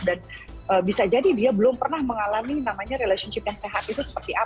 bisa jadi dia belum pernah mengalami namanya relationship yang sehat itu seperti apa